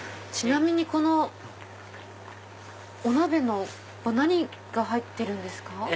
ちなみにこのお鍋何が入ってるんですか？